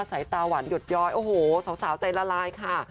สายตาหวานหยดย้อยโอ้โหสาวใจละลายค่ะ